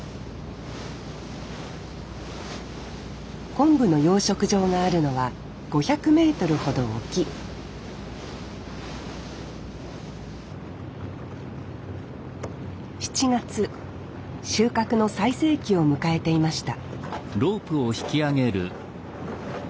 昆布の養殖場があるのは５００メートルほど沖７月収穫の最盛期を迎えていました